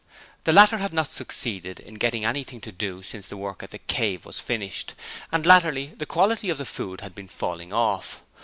The latter had not succeeded in getting anything to do since the work at 'The Cave' was finished, and latterly the quality of the food had been falling off.